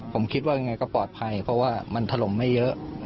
ผมคิดว่ายังไงก็ปลอดภัยเพราะว่ามันถล่มไม่เยอะ